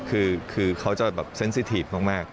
คือเขาจะแบบสังเกตุมาก